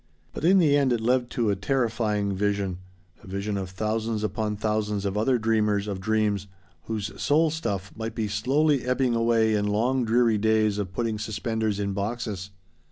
But in the end it led to a terrifying vision. A vision of thousands upon thousands of other dreamers of dreams whose soul stuff might be slowly ebbing away in long dreary days of putting suspenders in boxes.